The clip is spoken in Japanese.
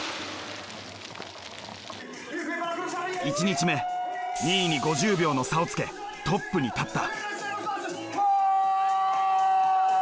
１日目２位に５０秒の差をつけトップに立った。